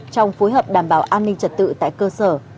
trong phối hợp đảm bảo an ninh trật tự tại cơ sở